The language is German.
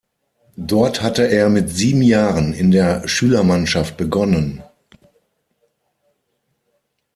Dort hatte er mit sieben Jahren in der Schülermannschaft begonnen.